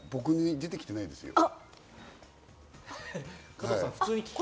僕に出てきてないんですよね。